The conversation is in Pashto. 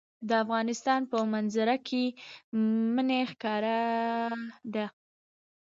د افغانستان په منظره کې منی ښکاره ده.